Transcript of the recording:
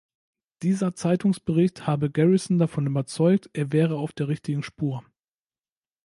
Dieser Zeitungsbericht habe Garrison davon überzeugt, er wäre auf der richtigen Spur.